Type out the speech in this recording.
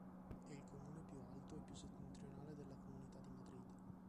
È il comune più alto e più settentrionale della comunità di Madrid.